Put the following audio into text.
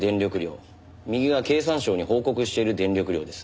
右が経産省に報告している電力量です。